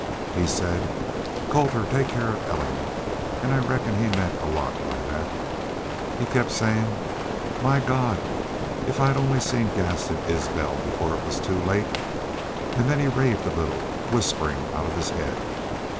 He said, 'Colter take care of Ellen,' an' I reckon he meant a lot by that. He kept sayin', 'My God! if I'd only seen Gaston Isbel before it was too late!' an' then he raved a little, whisperin' out of his haid....